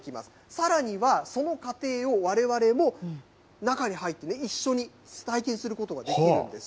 さらには、その過程をわれわれも中に入って一緒に体験することができるんです。